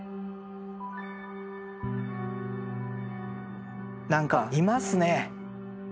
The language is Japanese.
何かいますね！